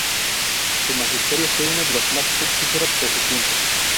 Su magisterio fue uno de los más fructíferos de su tiempo.